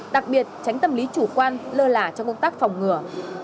đặc biệt tránh tâm lý chủ quan lơ lả trong công tác phòng ngừa